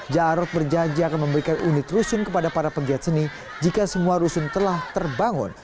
jarod berjanji akan memberikan unit rusun kepada para pegiat seni jika semua rusun telah terbangun